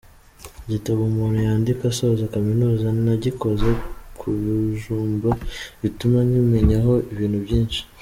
Igitabo umuntu yandika asoza kaminuza nagikoze ku bijumba bituma nkimenyaho ibintu byinshi.